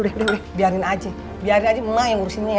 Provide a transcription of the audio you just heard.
udah udah udah biarin aja biarin aja mama yang urusinnya ya